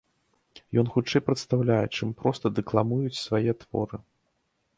Ён хутчэй прадстаўляе, чым проста дэкламуюць свае творы.